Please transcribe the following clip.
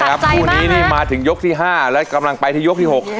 สักใจมากนะคู่นี้มาถึงยกที่๕และกำลังไปที่ยกที่๖